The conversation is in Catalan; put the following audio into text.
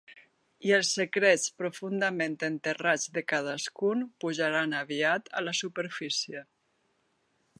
I els secrets profundament enterrats de cadascun pujaran aviat a la superfície.